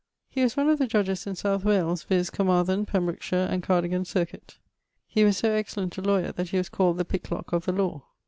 He was one of the judges in South Wales, viz. Caermarthen, Pembrokeshire, and Cardigan circuit. He was so excellent a lawyer, that he was called The Picklock of the Lawe.